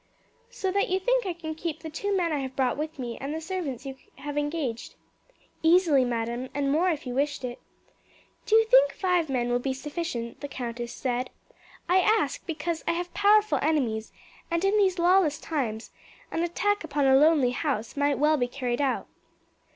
"So that you think I can keep the two men I have brought with me and the servants you have engaged?" "Easily, madam, and more if you wished it." "Do you think five men will be sufficient?" the countess said. "I ask because I have powerful enemies, and in these lawless times an attack upon a lonely house might well be carried out."